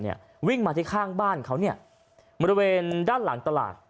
วิ่งมาที่ข้างบ้านเขาเนี่ยบริเวณด้านหลังตลาด